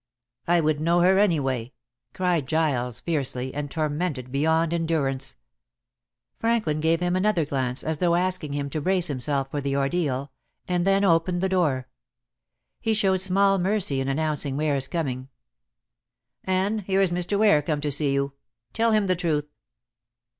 "I would know her anyway," cried Giles fiercely, and tormented beyond endurance. Franklin gave him another glance, as though asking him to brace himself for the ordeal, and then opened the door. He showed small mercy in announcing Ware's coming. "Anne, here is Mr. Ware come to see you. Tell him the truth."